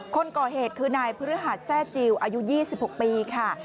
คนก่อเหตุคือนายพฤหัสแทร่จิลอายุ๒๖ปีค่ะ